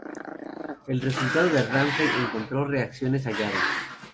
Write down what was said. El resultado de Ramsay encontró reacciones halladas.